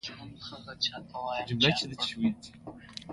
خور له خندا ژوند کوي.